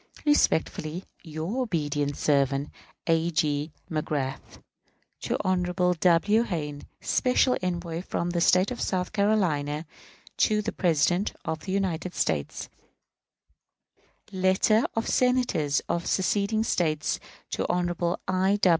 Respectfully, your obedient servant, A. G. MAGRATH. To Hon. W. Hayne, special envoy from the State of South Carolina to the President of the United States. _Letter of Senators of seceding States to Hon. I.